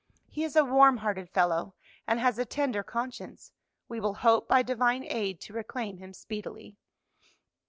He is a warm hearted fellow, and has a tender conscience. We will hope by divine aid to reclaim him speedily."